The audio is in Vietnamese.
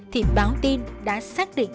thì báo tin đã xác định